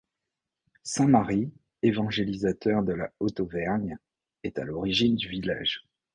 Saint Mary, évangélisateur de la Haute-Auvergne, est à l'origine du village.